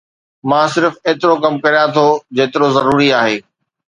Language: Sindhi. مان صرف ايترو ڪم ڪريان ٿو جيترو ضروري آهي